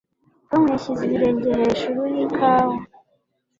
Tom yashyize ibirenge hejuru yikawa